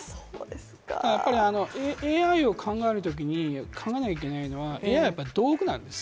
やっぱりＡＩを考えるときに考えなきゃいけないのは、ＡＩはやっぱり道具なんです。